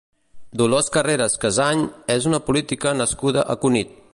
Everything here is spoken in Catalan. Dolors Carreras Casany és una política nascuda a Cunit.